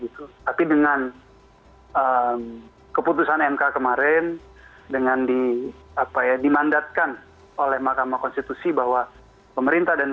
tapi dengan keputusan mk kemarin dengan dimandatkan oleh mahkamah konstitusi bahwa pemerintah dan lainnya